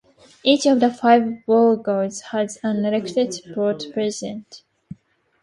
Each of the five boroughs has an elected borough president.